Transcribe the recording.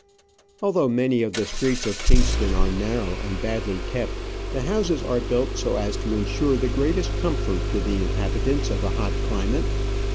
Although many of the streets of Kingston are narrow and badly kept, the houses are built so as to ensure the greatest comfort to the inhabitants of a hot climate.